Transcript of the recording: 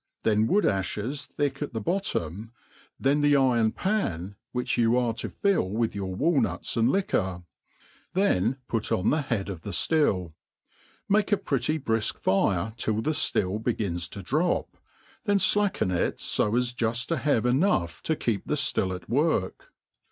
then wood aihes thick at the bot tom, then the iron pan^ which you are to fill with^our walnuta and liquor ; then put on the head of the ftill i ihake a pretty brifk fire till the ftill begins to drop, then flacken it fo as juft to have enough to keep the ftill at work.